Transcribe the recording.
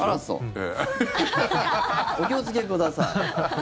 お気をつけください。